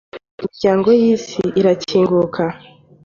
imiryango y’Isi irakinguka”